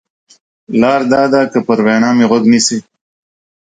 لار دا ده که پر وینا مې غوږ نیسې.